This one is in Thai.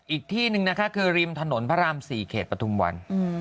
อีกที่หนึ่งนะคะคือริมถนนพระราม๔เขตปฐุมวัน